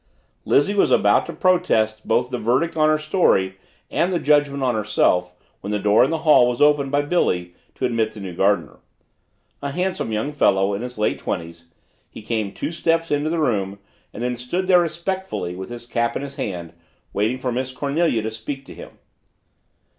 Lizzie was about to protest both the verdict on her story and the judgment on herself when the door in the hall was opened by Billy to admit the new gardener. A handsome young fellow, in his late twenties, he came two steps into the room and then stood there respectfully with his cap in his hand, waiting for Miss Cornelia to speak to him.